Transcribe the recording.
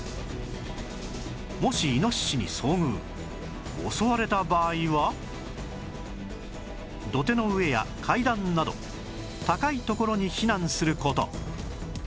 もしイノシシに遭遇襲われた場合は土手の上や階段など高い所に避難する事